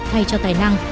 thay cho tài năng